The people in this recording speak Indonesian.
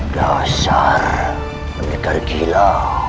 dasar menegak gila